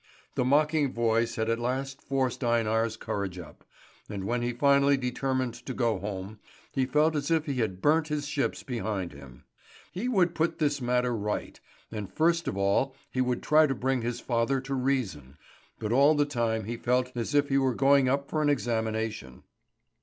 The mocking voice had at last forced Einar's courage up; and when he finally determined to go home, he felt as if he had burnt his ships behind him. He would put this matter right, and first of all he would try to bring his father to reason; but all the time he felt as if he were going up for an examination.